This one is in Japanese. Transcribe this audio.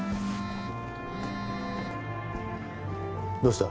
どうした？